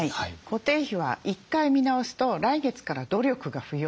固定費は１回見直すと来月から努力が不要なので。